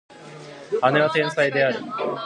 姉は天才である